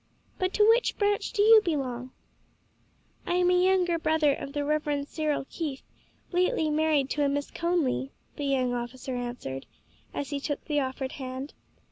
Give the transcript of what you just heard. But to which branch do you belong?" "I am a younger brother of the Reverend Cyril Keith, lately married to a Miss Conly," the young officer answered, as he took the offered hand.